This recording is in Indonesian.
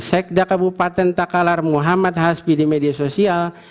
sekda kabupaten takalar muhammad hasbidi media sosial